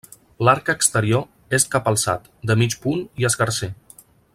L'arc exterior és capalçat, de mig punt i escarser.